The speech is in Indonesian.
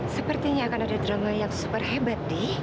sepertinya akan ada drama yang super hebat di